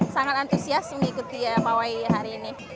sangat antusias mengikuti pawai hari ini